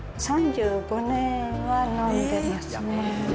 ３５年は飲んでますね。